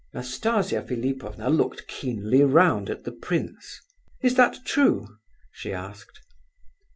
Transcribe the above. Nastasia Philipovna looked keenly round at the prince. "Is that true?" she asked.